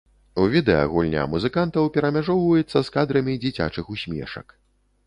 У відэа гульня музыкантаў перамяжоўваецца з кадрамі дзіцячых усмешак.